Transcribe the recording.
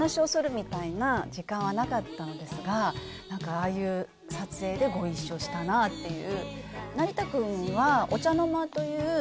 ああいう撮影でご一緒したなぁっていう。